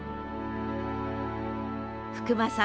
福間さん